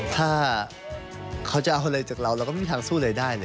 ถ้าเขาจะเอาอะไรจากเราเราก็ไม่มีทางสู้อะไรได้เลย